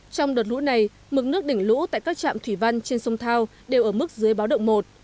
trong đợt lũ này mực nước đỉnh lũ tại các trạm thủy văn trên sông thao đều ở mức dưới báo động một